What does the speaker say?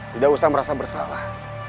tidak usah merasa bersalah